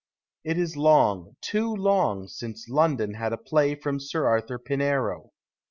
It is long, too long, since London had a play from Sir Arthur Pinero.